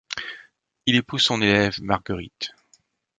Il épouse son élève Marguerite.